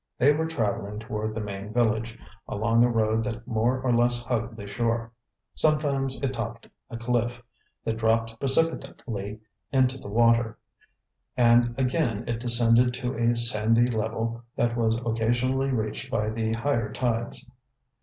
They were traveling toward the main village, along a road that more or less hugged the shore. Sometimes it topped a cliff that dropped precipitately into the water; and again it descended to a sandy level that was occasionally reached by the higher tides.